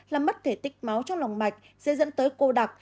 làm mất thể tích máu trong lòng mạch dễ dẫn tới cô đặc